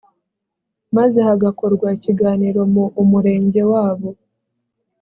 maze hagakorwa ikiganiro mu umurenge wabo